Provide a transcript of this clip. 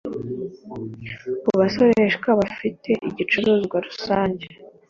Ku basoreshwa bafite igicuruzwa rusange